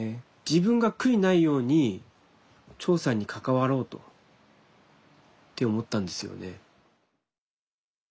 自分が悔いないように長さんに関わろうとって思ったんですよね。